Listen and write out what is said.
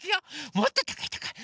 もっとたかいたかい。